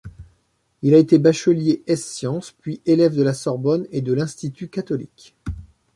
Il a été bachelier ès-sciences, puis élève de la Sorbonne et de l'Institut Catholique.